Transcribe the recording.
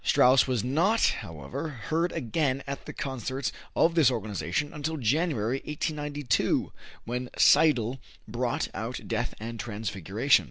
Strauss was not, however, heard again at the concerts of this organization until January, 1892, when Seidl brought out "Death and Transfiguration."